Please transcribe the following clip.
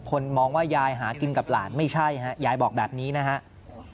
มองว่ายายหากินกับหลานไม่ใช่ฮะยายบอกแบบนี้นะครับ